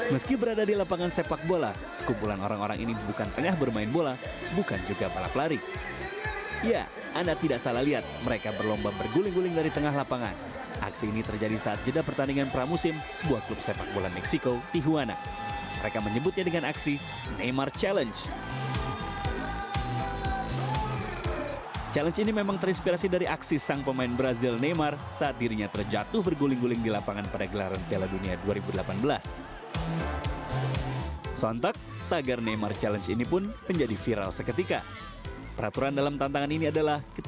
mungkin ada sudah ikutan atau belum tahu